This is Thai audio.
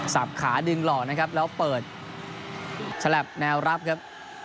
ขาดึงหล่อนะครับแล้วเปิดฉลับแนวรับครับ